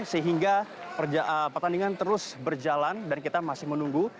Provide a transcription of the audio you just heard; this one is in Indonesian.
sehingga pertandingan terus berjalan dan kita masih menunggu